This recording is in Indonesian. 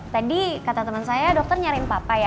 tadi kata teman saya dokter nyariin papa ya